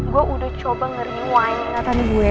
gue udah coba ngeriwain ingatan gue